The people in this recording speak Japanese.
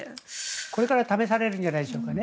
これから試されるんじゃないでしょうか。